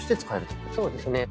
そうですね。